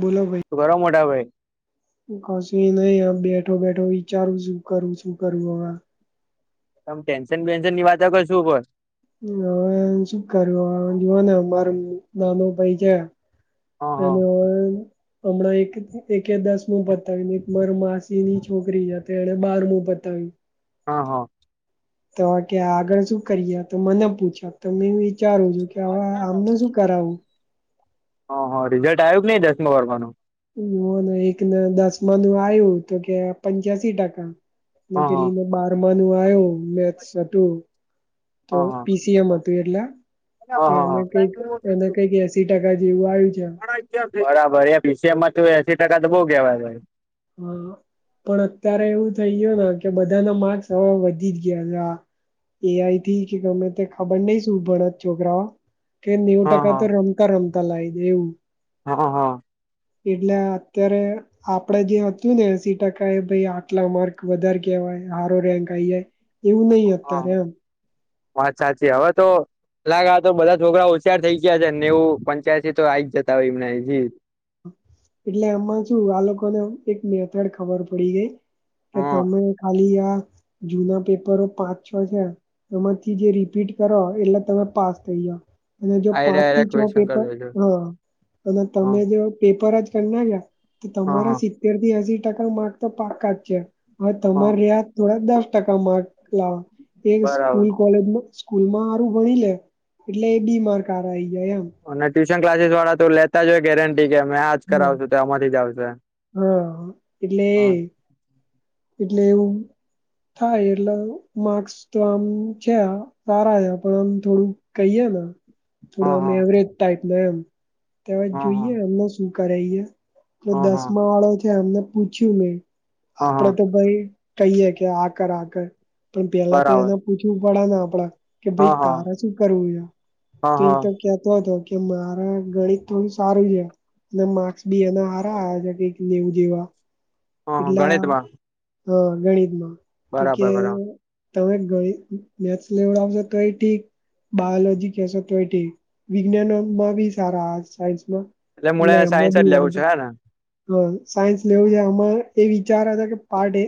બોલો ભાઈ શું કરો મોટા ભાઈ કશું નહી આ બેઠો બેઠો વિચારું શું કરું શું કરું હવે તમ ટેન્શન બેન્શન ની વાતો કરશું પણ હવે શું કર્યું જોવા ને અમાર નાનો ભાઈ છે હા હા એનું હમણાં એક એક દસમું પતાવીયું ને માર માસીની છોકરી છે એને બારમું પતાવીયું હા હા તો કે આગળ શું કરીએ તો મને પૂછા તો મે વિચારું છું કે હવે આમને શું કરાવું હ હા રિઝલ્ટ આવ્યું કે નઈ દસમા બારમાનું ઓને એકને દસમા ન આવ્યું તો કે પંચ્યાસી ટકા અને હા હા પેલીને બારમા નું આવ્યું મેથ્સ હતું તો હા હા પીસીએમ હતું એટલે તો હા એને હા કઈક એને કઈક એસી ટકા જેવું આ આયુ જ્યાં બરાબર એ પીસીએમમાં તો એસી ટકા તો બઉ કેવાય ભાઈ હા પણ અત્યારે એવું થઇ ગયું ને કે બધાના માર્કસ હવે વધી જ ગયા છે એ આઈ થી કે ગમે તે ખબર નઈ શું ભણત છોકરાઓ કે નેવું હા ટકા તો હા રમતા રમતા લાઈદે એવું હા હા એટલે અત્યારે આપ પડે જે હતું ને એસી ટકા એ ભઈ આટલા માર્ક વધારે કહેવાય હારો રેન્ક આઈ જાય એવું નહિ હા અત્યારે એમ વાત સાચી હવે તો લાગે તો બધા છોકરા હોશિયાર થઇ ગયા છે નેવું પાંચ્યાસી તો આઈ જતા હોય એમને જી એટલે આમાં શું આ લોકોને એક મેથડ ખબર પડી ગઈ કે હા તમે ખાલી આ જુના પેપરો પાંચ છો છે એમાંથી જે રિપીટ કરો એટલે તમે પાસ થઈ જાવ અને જો આયરા પાંચ થી આયરા છ ક્વેશ્ચન કરી પેપર દેજો હા અને હા તમે જો પેપર જ ના ગયા તો હા તમારા સિત્તેર થી એસી ટકા માર્ક તો પાકા જ છે હવે હા તમારે આ થોડા દસ ટકા માર્ક લાવો એ બરાબર સ્કૂલ કોલેજમાં સ્કૂલમાં હારું ભણી લે એટલે એબી માર્ક હારા આઈ જાય એમ અને ટ્યુશન ક્લાસીસવાળા તો લેતા જોય ગેરન ટી કે આજ કરાવશું તો એમાંથી જ આવશે હા એટલે એ એટલે એવું થાય એટલે માર્ક્સ તો આમ છે સારા છે પણ આમ થોડુંક કહીએ હાલો થોડો હા અમે હા એવરેજ ટાઈપના એમ હા હા જોઈએ એમને શું કરાઈ એ તો હા હા દસમા વાળો છે એમને પૂછ્યું મેં હા હા આપડે તો ભઈ કહીયે કે આ કર આ કર પણ પેલા તો બરાબર એને પૂછવું પડે ને આપડા કે હા ભાઈ હા તારા શું કરવું હા છે તો હા એ તો કેતો હતો કે મારા ગણિત થોડું સારું છે, અને માર્ક્સ બી એના હારા આવ છે, કેઈક નેવું જેવા. હ હ એટલે ગણિતમા? હા ગણિતમાં તો કે તમે ગણીત મેથ્સ લેવડાવશો તોય ઠીક બાયોલોજી કહેશો તોય ઠીક વિજ્ઞાનમાં બી સારા સાયન્સ મા મુળે એટલે એમાં સાયન્સ જ બી લેવું વાંધો છે હે ને હ સાયન્સ લેવું છે આમાં એ વિચારે છે કે પાર્ટ એ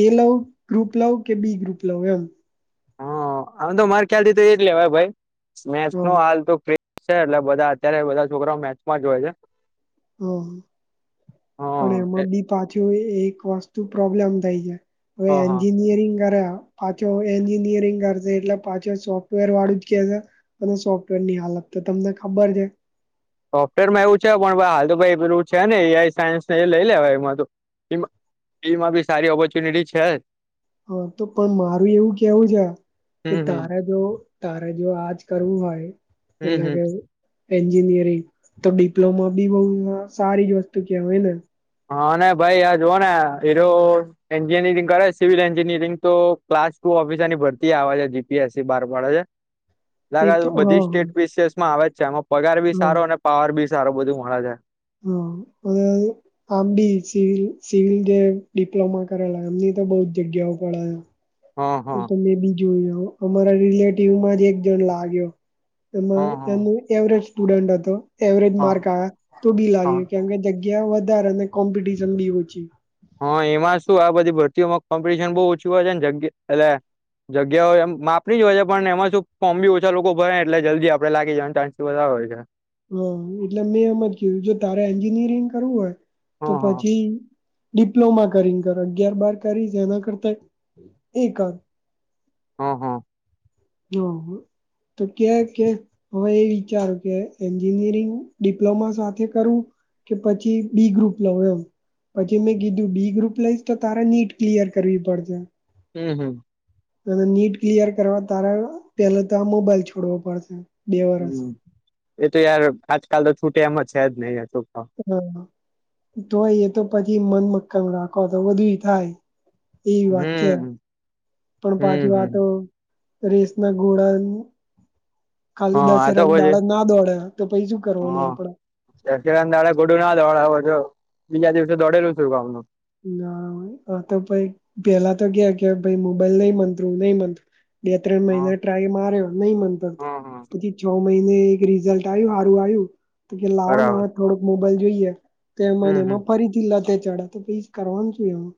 એ લવ ગ્રુપ લઉ કે બી ગ્રુપ લવ એમ હ આમ તો મારે ખ્યાલથી તો એ જ લેવાય ભઈ હા મેથ્સનું હાલ તો છે એટલે બધા અત્યારે બધા છોકરાઓ મેચમાં જ હોય છે. હમ પણ હા એમાં બી પાછું એ એક વસ્તુ પ્રોબ્લેમ થઈ જાય હવે હા હા એન્જિનિયરિંગ કર્યા પાચો એન્જિનિયરિંગ કર સે એટલે પાછું સોફ્ટવેર વાળું જ કે છે અને સોફ્ટવેર ની હાલત તો તમને ખબર છે. સોફ્ટવેરમાં એવું છે પણ હાલ તો ભાઈ પેલું છે ને એ આઈ સાયન્સને એ લઈ લેવાઈ એમાં તો. તેમાં તેમાં બી સારી ઓપોર્ચ્યુનિટી છે જ. હા તો પણ મારું એવું કેવું છે. હમ કે હમ તારે જો તારે જો આજ કરવું હોય હમ એટલે હમ કે એન્જિનિયરિંગ તો ડિપ્લોમા બી બહુ સારી જ વસ્તુ કહેવાય ને. હા ને ભાઈ આ જોવોને એરો એન્જિનિયરિંગ કરે સિવિલ એન્જિનિયરિંગ તો ક્લાસ ટુ ઓફિસરની ભરતી આવે છે. જીપીએસસી બાર પાડે છે. એ લાગે તો હા બધી હા સ્ટેટ બીસમાં આવે જ છે. આમાં પગાર બી સારો અને પાવર બી સારો બધું મળે છે. હા. અ આમ બી સિવિલ સિવિલ જે ડિપ્લોમા કરેલા એમની તો બવ જ જગ્યાઓ પડાયા- - હા એ હા તમે બી જોયું અમારા રિલેટિવમાં જ એક જણ લાગ્યો. એમાં હા હા એનું એવરેજ સ્ટુડન્ટ હતો એવરેજ માર્ક હા આવ્યા તો બી લાગ હા કેમ કે- - જગ્યા વધારે અને કોમ્પિટશન બી ઓછી. હા એમાં શું આ બધી ભરતી ઓમાં કોમ્પિટિશન બહ ઓછી હોય છેને જગ્યા એટલે જગ્યાઓ એમ માપની જ હોય છે પણ એમાં શું ફોમ બી ઓછા લોકો ભરે એટલે જલ્દી આપણે લાગી જવાનું ચાન્સ [unintelligible] હોય છે. હા એટલે મેં એમ જ કધું જો તારે એન્જિનિયરિંગ કરવું હોય તો હા હા પછી ડિપ્લોમા કરીને કર અગિયાર બાર કરી જે એના કરતા એ કર હમ્મ હમ્મ હા. તો કે કે હવે એ વિચારો કે એન્જિનિયરિંગ ડિપ્લોમા સાથે કરવું? કે પછી બી ગ્રુપ લવો એમ પછી મેં કીધું બી ગ્રુપ લઈ તો તારે નીટ ક્લિયર કરવી પડશે. હમ્મ હમ્મ. અને નીટ ક્લિયર કરવા તારે પેલા તો આ મોબાઈલ છોડવો પડશે. બે વરસ હમ્મ એતો યાર આજકાલ તો છૂટે એમ છે જ નહી તો. હા તોય એ તો પછી મન મક્કમ રાખો તો બધુય થાય. એવી વાત છે હમ પણ પાછુ હમ હમ. આતો- - રેસના ઘોડા- - ખાલી હા આ તો દસેરાન પછી દાડ ના દોડે તો પછી શું કરવાનું હા આપડે દશેરાના દાડે ગોડું ના દોડ વોજો બીજા દિવસે દોડેલું તું ગામ નું- - ના આ તો ભાઈ પેલા તો કે કે ભાઈ મોબાઈલ નહી મંતું નહી મંતું બે ત્રણ હા. મહિના ટ્રાય માર્યો, નહી મનતો હા હા. પછી છ મહિને- - રિઝલ્ટ આવ્યું સારું આવ્યું તો કે લાવો ને બરાબર હવે થોડોક મોબાઈલ જોઈએ- - તેમાંને હમ એમાં હમ ફરીથી લથે ચઢ્યા તો પીસ કરવાનું શુ એમ નુ?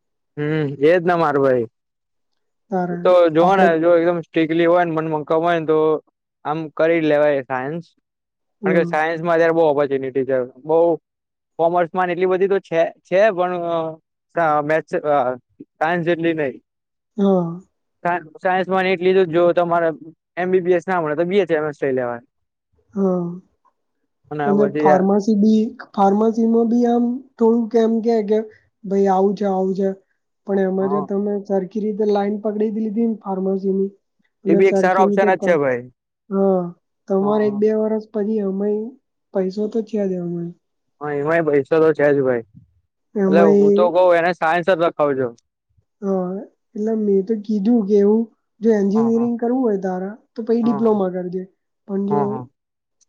હમ્મ એજ ના માર ભાઈ તારે તો જોવા ને આપડે જો એકદમ સ્ટ્રીકલી હોય ને મનમાં કમયને તો આમ કરી લેવાય સાયન્સ કારણ કે હમ સાયન્સ માં જ્યારે બવ ઓ- - ઓપર્ચુનિટી છે બો કોમર્સમાં એટલી બધી તો છે છે પણ ક મેથ્સ હ, સાયન્સ જેટલી નહી. હઅ. સાયન્સમાંને એ લીધું જ જો તોરે એમબીબીએસ ના મળે તો બીએચ લેવાની હા અને પછી ફાર્માસી હા બી ફાર્માસીમાં બી આમ થોડું કેમ કે કે ભાઈ આવું છે આવું છે પણ એમાં જે તમે સર- - કિરીટે લાઇન પકડી જ લીધીને ફાર્મસીની એ અને બી એક સારો સરખી રીતે ઓપ્શન જ છે ભાઈ હા તમારે હા ફ્રેશ પછી અમઈ પૈસો તો છે જ અમાઈ. હા એમાંય પૈસો તો છે જ ભાઈ એટલે હું તો એમાંય કઉ એને સાયન્સ જ રખાવજો. હા એટલે મેં તો કીધું કે એવું જો હા હા એન્જિનિયરિંગ કરવું હોય તારા તો પછી ડિપ હા પ્લોમા કરજે, પણ જો હા હા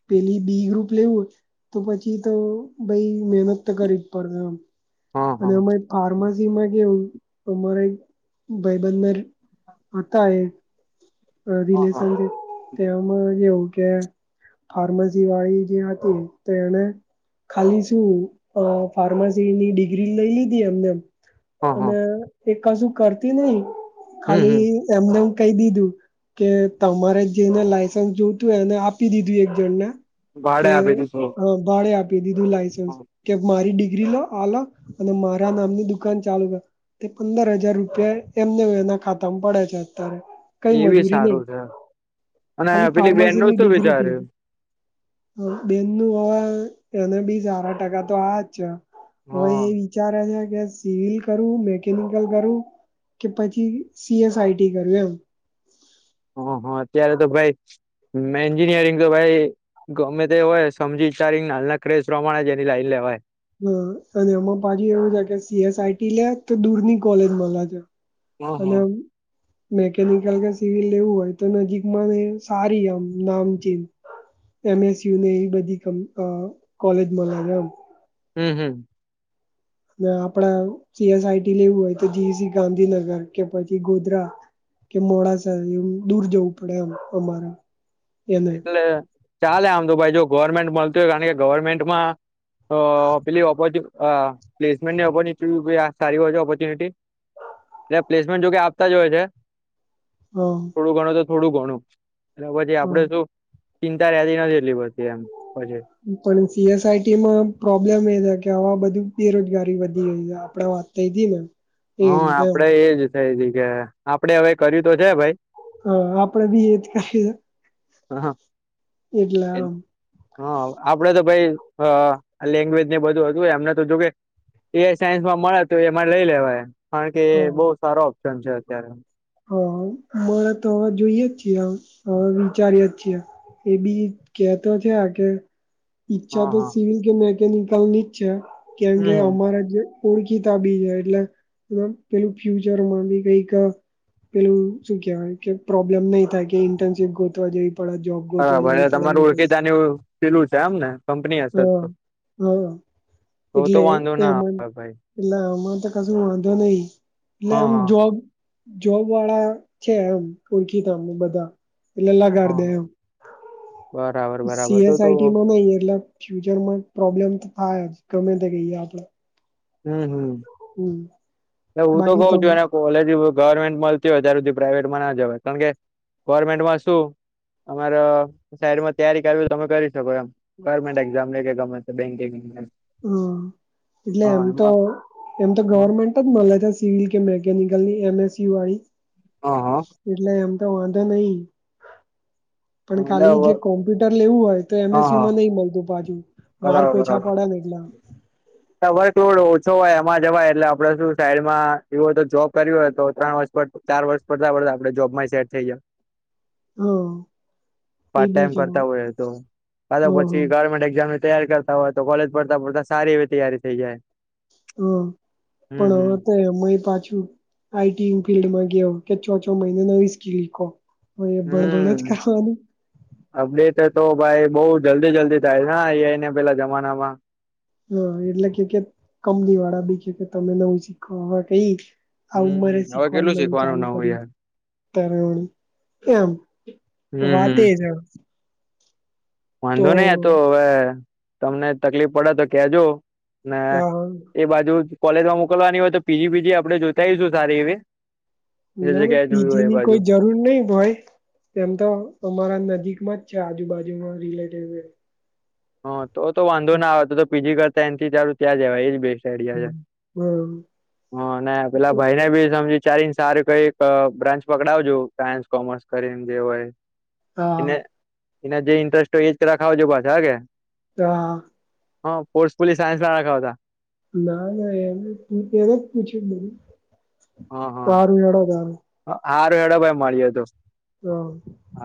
પેલી બી ગ્રુપ લેવું હોય તો પછી તો ભાઈ મહેનત તો કરી જ પડશે. હા અને હા એમાંય ફાર્માસી માં કેવું અમારે એક ભાઈબંધ હતા એક હા હા રિલેશનથી તે મા એવું કે ફાર્મસી વાળી જે હતી તે એને ખાલી શું અ ફાર્માસીની ડિ ગ્રી લઈ લીધી એમને હા હા અને એ કશું કરતી નહી હમ હમ ખાલી એમનેમ કહી દીધું કે તમારે જેને લાયસન્સ જોતું એને આપી દીધું એક જણ ને ભાડે કે આપી દીધું હ ભાડે આપી દીધું લાઈસન્સ કે મારી ડિગ્રી લો આ લો અને મારા નામની દુકાન ચાલુ કરો તે પંદર હજાર રૂપિયા એમને એના ખાતામાં પડે છે અત્યારે! કઈ એ બી મજૂરી નહી સારું છે અને ખાલી પેલી બેન નું ફાર્માસીની શું ડિગ્રી વિચાર્યું લીધી. બેન ને હવે એને બી સાર ટકા તો આયા જ છે. હવે હા એ વિચારે છે કે સિવિલ કરું મેકેનિકલ કરું કે પછી સીએસ આઈટી કરુ એમ. હ હા અત્યારે તો ભાઈ મેં એન્જિનિયરિંગ તો ભાઈ ગમે તે એ હોય સમજી વિચારીન હાલના ક્રેઝ પ્રમાણે જ એની લાઈન લેવાય. હા અને એમાં પાછુ એવું છે કે સીએસઆઈટી લે તો દૂરની કોલેજમા લાગે. હા હા અને મેકેનિકલ કે સિવિલ લેવું હોય તો નજીકમાં સારી આમ નામ ચીન એમએસયુ ને એ બધી કોલેજ મા લાગે એમ. હમ હમ અને આપડા જીએસઆઈટી લેવું હોય તો જીસી ગાંધીનગર કે પછી ગોધરા કે મોડાસા એ દૂર જવું પડે એમ અમારે. એને એટલે ચાલે આમ તો ભાઈ જો ગવર્મેન્ટ મળતું હોય કારણ કે ગવર્મેન્ટમાં હ પેલી ઓપો હ પ્લેસમેન્ટ ની [unintelligible] સારી હોય છે ઓપોર્ચ્યુનિટી. એટલે પ્લેસમેન્ટ જોકે આપતા જ હોય છે હા થોડું ગણું તો થોડું ઘણું એ પછી આપડે હા શું ચિંતા રહેતી નથી. એટલી બધી એમ પછી પણ સીએસઆઈટી માં પ્રોબ્લેમ એ થાય કે કે આવા બધું બેરોજગારી વધી રહી છે આપણેે વાત થઈતી ને એ હા રીતે એમ આપડે એજ થાય છે કે આપડે હવે કર્યું તો છે ભાઈ હા આપડે બી એ જ કરી. હા હા આપડે તો ભાઈ હા લેંગ્વેજ ને બધું હતું એમને તો જો કે એઆઈ સાયન્સ માં મળે તો એમાં લઈ લેવાય કારણ કે હ એ બહુ સારો ઓપ્શન છે અત્યારે. હ મળે તો હવે જોઈએ જ છીએ, હવે વિચારીએ જ છીએ. એ બી કેતો છે આ કે ઈચ્છા હા તો હા સિવિલ કે મેકેનિકલ ની જ છે કેમ કે હમ અમારે જે ઓળખીતા બી છે એટલે પેલું ફ્યુચર માં બી કઈક પેલું શું કેહેવાય કે પ્રોબ્લેમ નહી થાય કે ઇન્ટર્નશીપ ગોતવા જઈ પડે જોબ ગોતવા બરાબર જવી એટલે પડે તમારું એવું કાંઈ ઓળખીતાની પેલું છે એમ ને કંપની હશે હા. તો હા તો તો એટલે એ વાંધો ના આવે ભાઈ એટલે આમાં તો કશું વાંધો નહી એટલે હા આમ હા જોબ જોબ વાળા છે એમ ઓળખીતા બધા એલેલા લગાડ હા દે હા એમ. બરાબર બરાબર તો સીએસ તો આઈટી ન નઈ એટલ ફ્યુચરમાં પ્રોબ્લેમ તો થાય જ ગમે તે કહી આપણે હમ હમ એ હું તો બાકી કઉ તમ છું એને કોલેજ ગવર્મેન્ટ મળતી હોય ત્ય સુધી પ્રાાઈવેટમાં ના જવાય કારણ કે ગવર્મેન્ટમાં શું અમારા શહેરમાં તૈયારી કરવી તમે કરી શકો એમ ગવર્મેન્ટ એક્ઝામ લે કે ગમે તે બેકિંગ હમ એટલે એમ તો એમ તો હા ગવર્મેન્ટ જ મળે છે સિવિલ કે ની ગની એમસ યુ આઈ હા એટલે એમ તો વાંધો નહીં પણ એટલે ખાલી જે હા કોમ્પ્યુટર લેવું હોય તો હા એમએસયુમાં નહી મળતું પાકુ માર્ક બરાબર ઓછા બરાબર પડ્યા ને એટલા વર્કલોડ ઓછો હોય એમાં જવાય એટલે આપડે શું સાઈડમાં એવ હોય તો જોબ કર્યું હોય તો ત્રણ વર્ષ પર ચાર વર્ષ પડતા પડતા આપડે જોબમાં સેટ થઈ જાય હા એ પાર્ટ બી ટાઈમ છે કરતા હ હોય તો કાં હ હ તોપછી ગવર્મેન્ટ એક્ઝામ તૈયારી કરતા હોય તો કોલેજ કરતા કરતા સારી એવી તૈયારી થઈ જાય હમ હમ પાછુ આઈ. ટી. આઈ ફિલ્ડમાં પણ હું નવી સ્કિલપ એ ચાર ચાર મહિને ભણ્યા જ હમ કરવાનું અપડેટ તો ભાઈ બહુ જલદી જલદી થાય અહીં અને પહેલાના જમાનામાં હા એટલે કે કે કમની વાળા બી કે તમે નવું શીખવા હવે આ હમ ઉમરે હમ હવે શીખવાનું કેટલું નવું ચાલુ નવું યાર કર્યું તવ એમ હમ હમ વાતે જા વાંધો નહી એ તો હવે તમને તકલીફ પડે તો કેજો ના હા એ બાજુ કોલેજમાં મોકલવાની હોય તો પીજી બીજી આપડે જોતા ઈશું સારી એવી જે ના ના જગ્યાએ જોયું પીજી હોય એ ની બાજુ કોઈ જરૂર નઈ હોય એમ તો અમારા નજીકમાં જ છે આજુબાજુમાં રિલેટીવે હા, તો તો વાંધો ના આવે તો તો પીજી કરતા એ થી તારું ત્યાં જવાય એજ બેસ્ટ. આઇડિયા છે. હમ અને પેલા ભાઈ ને બી સમજી વિચારીને સારું કઈક અહ બ્રાન્ચ પકડાવજો સાયન્સ કોમર્સ કરીને જે હોય એ. હા. એના જે ઇન્ટરેસ્ટ હોય એ જ રખાવજો બધા કે ત હા. હા પોર્સ પોલીસ સાયન્સ ના રખાવતા. ના ના એને તે પહેલું પૂછ્યું બોલું. સારું હેડો તારે. હારુ હેડો ભાઈ મળીયો તો. હા. હા